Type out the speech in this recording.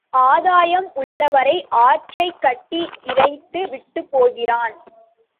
ஆதாயம் உள்ளவரை ஆற்றைக் கட்டி இறைத்து விட்டுப் போகிறான்.